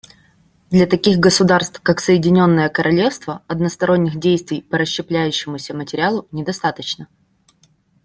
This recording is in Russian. Для таких государств, как Соединенное Королевство, односторонних действий по расщепляющемуся материалу недостаточно.